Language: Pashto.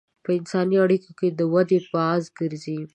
په انساني اړیکو کې د ودې باعث ګرځي.